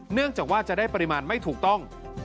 เนื่องจากว่าจะได้ปริมาณไม่ถูกต้อง